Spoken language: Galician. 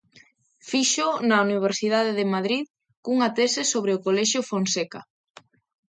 Fíxoo na Universidade de Madrid cunha tese sobre o Colexio Fonseca.